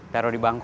taruh di bangku